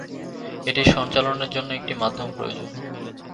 এটির সঞ্চালনের জন্য একটি মাধ্যম প্রয়োজন।